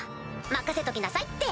任せときなさいって。